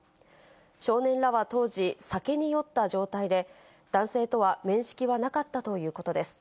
少年らは当時、酒に酔った状態で、男性とは面識はなかったということです。